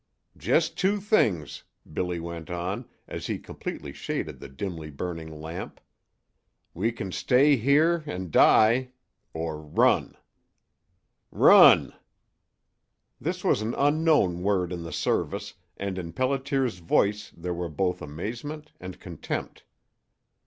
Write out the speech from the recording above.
"Just two things," Billy went on, as he completely shaded the dimly burning lamp. "We can stay here 'n' die or run." "Run!" This was an unknown word in the Service, and in Pelliter's voice there were both amazement and contempt.